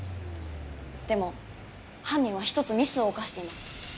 でも犯人は１つミスを犯しています。